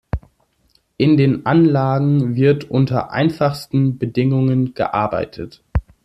In den Anlagen wird unter einfachsten Bedingungen gearbeitet.